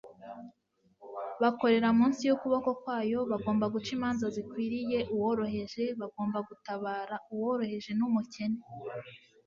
bakorera munsi yukuboko kwayo bagomba guca imanza zikwiriye uworoheje bagomba gutabara uworoheje numukene